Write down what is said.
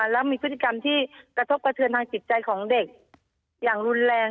แล้วมีพฤติกรรมที่กระทบกระเทือนทางจิตใจของเด็กอย่างรุนแรง